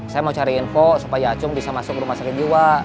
saya mau cari info supaya acung bisa masuk rumah sakit jiwa